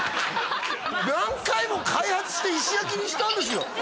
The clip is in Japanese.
何回も開発して石焼にしたんですよ